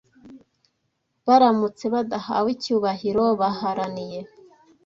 baramutse badahawe icyubahiro baharaniye